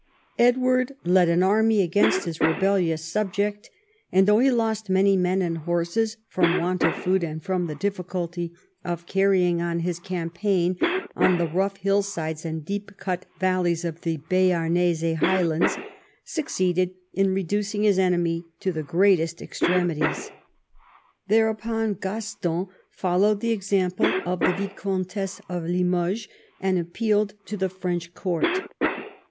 Edward led an army against his rebellious subject, and though he lost many men and horses from want of food, and from the difficulty of carrying on his campaign on the rough hillsides and deep cut valleys of the Bearnese highlands, succeeded in reducing his enemy to the greatest extremities. There upon Gaston followed the example of the Viscountess of Limoges, and appealed to the French court.